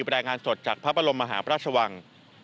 รายงานสดจากพระบรมมหาพระราชวัง